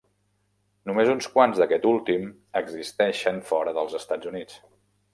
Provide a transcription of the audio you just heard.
Només uns quants d'aquest últim existeixen fora dels Estats Units.